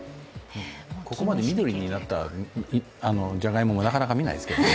ここまで緑になったじゃがいももなかなか見ないですけど。